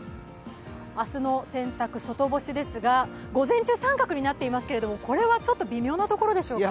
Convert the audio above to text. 明日の洗濯外干しですが午前中△になっていますけどこれはちょっと微妙なところでしょうか？